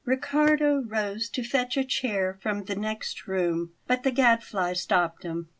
Riccardo rose to fetch a chair from the next room, but the Gadfly stopped him.